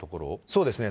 そうですね。